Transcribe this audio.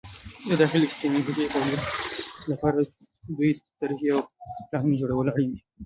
د داخلي ټکنالوژۍ د تولیداتو لپاره د نوې طرحې او پلانونو جوړول اړین دي.